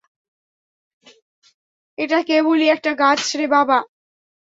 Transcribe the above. এটা কেবলই একটা গাছ রে বাবা।